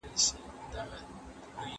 د ځواک د انډول ساتل په سياست کي اړين دي.